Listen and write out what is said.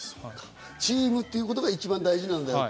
チームということが一番大事だよと。